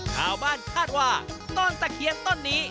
ชาวบ้านคาดว่าต้นตะเคียนต้นนี้